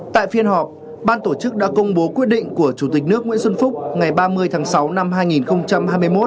tại phiên họp ban tổ chức đã công bố quyết định của chủ tịch nước nguyễn xuân phúc ngày ba mươi tháng sáu năm hai nghìn hai mươi một